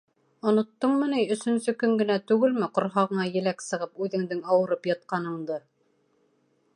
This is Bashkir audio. Оноттоңмо ни, өсөнсө көн генә түгелме, ҡорһағыңа еләк сығып үҙеңдең ауырып ятҡаныңды?